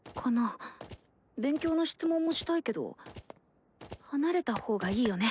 勉強の質問もしたいけど離れた方がいいよね。